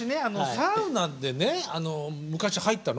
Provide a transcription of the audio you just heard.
サウナでね昔入ったの。